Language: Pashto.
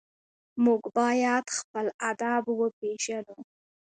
موږ باید خپل ادب وپېژنو.